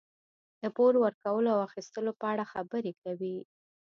د پور ورکولو او اخیستلو په اړه خبرې کوي.